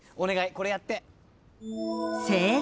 これやって。